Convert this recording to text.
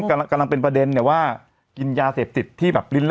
กำลังเป็นประเด็นเนี่ยว่ากินยาเสพติดที่แบบลิ้น